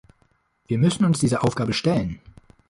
Wir müssen uns dieser Aufgabe stellen!